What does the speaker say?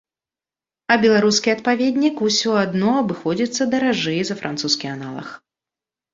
А беларускі адпаведнік ўсё адно абыходзіцца даражэй за французскі аналаг.